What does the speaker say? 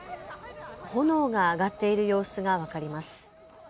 炎が上がっている様子が分かります。